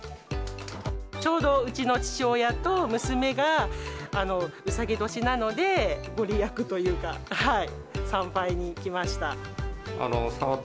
ちょうどうちの父親と、娘がうさぎ年なので、御利益というか、参拝に来ました。